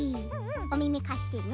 おみみかしてね。